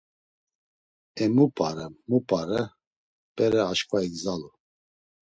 E mu p̌are, mu p̌are, bere aşǩva igzalu.